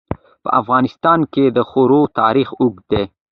په افغانستان کې د خاوره تاریخ اوږد دی.